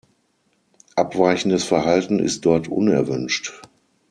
Abweichendes Verhalten ist dort unerwünscht.